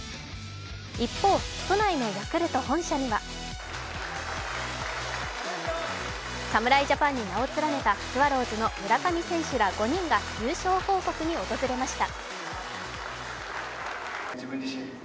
一方、都内のヤルクト本社には侍ジャパンに名を連ねたスワローズの村上選手ら５人が優勝報告に訪れました。